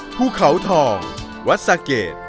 ภูเขาทองวัดสะเกด